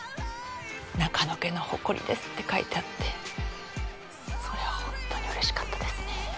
「中野家の誇りです」って書いてあってそれはホントに嬉しかったですね